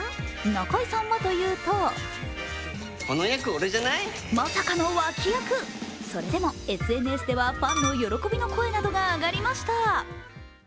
中居さんはというとまさかの脇役、それでもＳＮＳではファンの喜びの声などが上がりました。